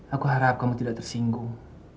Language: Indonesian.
aku harap kamu tidak tersinggung